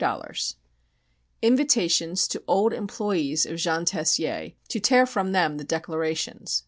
00 Invitations to old employees of Jean Tessier, to tear from them the declarations